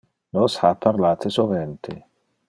Nos ha parlate sovente.